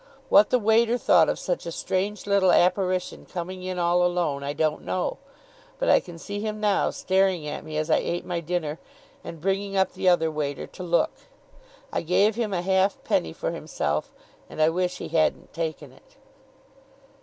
What the waiter thought of such a strange little apparition coming in all alone, I don't know; but I can see him now, staring at me as I ate my dinner, and bringing up the other waiter to look. I gave him a halfpenny for himself, and I wish he hadn't taken it.